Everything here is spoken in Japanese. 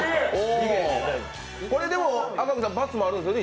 これ、でも赤荻さん、罰もあるんですよね。